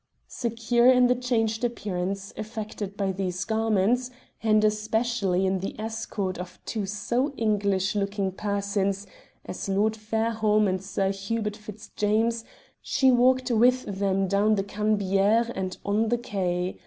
Secure in the changed appearance effected by these garments, and especially in the escort of two such English looking persons as Lord Fairholme and Sir Hubert Fitzjames, she walked with them down the Cannebiere and on the quay.